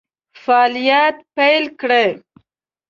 فعالیت پیل کړي.